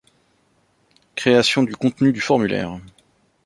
Création du contenu du formulaire.